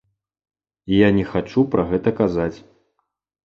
Я не хачу пра гэта казаць.